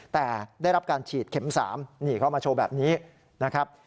แต่ได้รับการฉีดเข็ม๓นี่เขามาโชว์แบบนี้นะครับ